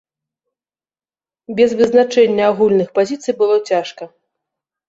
Без вызначэння агульных пазіцый было цяжка.